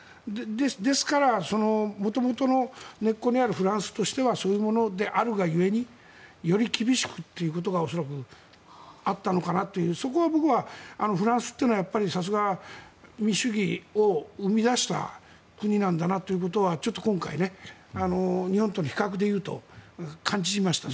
ですから、元々の根っこにあるフランスとしてはそういうものであるが故により厳しくということが恐らくあったのかなとそこは僕は、フランスというのはさすが民主主義を生み出した国なんだなということはちょっと今回日本との比較で言うと感じました。